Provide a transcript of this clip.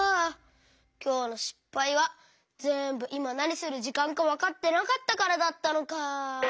きょうのしっぱいはぜんぶいまなにするじかんかわかってなかったからだったのか。